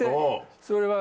それは。